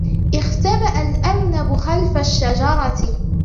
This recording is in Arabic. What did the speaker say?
اختبأ الأرنب خلف الشجرة.